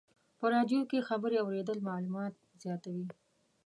په رادیو کې خبرې اورېدل معلومات زیاتوي.